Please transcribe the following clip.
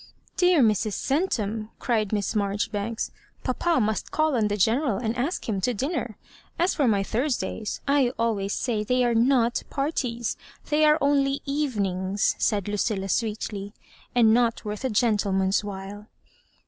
" Dear Mrs. Centum," cried Miss Marjoribanks, ''papa must call on the General and ask him to dinner; as for my Thursdays, I always say they are not parties; they are only evenings^^ said Lucilla, sweetly, " and not worth a gentle man's while."